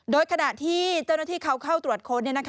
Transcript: โดยขณะที่เจ้าหน้าที่เขาเข้าตรวจค้น